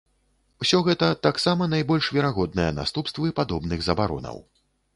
Усё гэта таксама найбольш верагодныя наступствы падобных забаронаў.